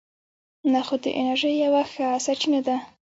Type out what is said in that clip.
نخود د انرژۍ یوه ښه سرچینه ده.